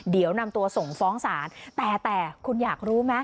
เดี๋ยวนำตัวส่งฟ้องศาลแต่แต่คุณอยากรู้ไหม